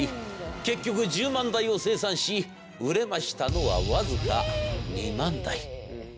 結局１０万台を生産し売れましたのは僅か２万台。